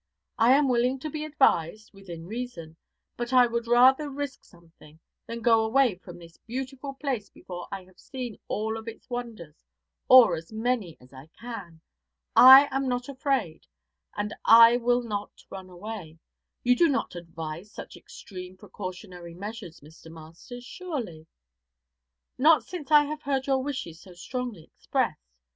I am willing to be advised, within reason, but I would rather risk something than go away from this beautiful place before I have seen all of its wonders, or as many as I can. I am not afraid, and I will not run away. You do not advise such extreme precautionary measures, Mr. Masters, surely?' 'Not since I have heard your wishes so strongly expressed.